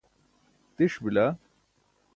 tiṣ bila